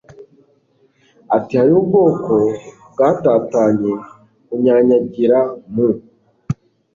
ati Hariho ubwoko bwatatanye bunyanyagira mu